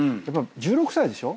１６歳でしょ？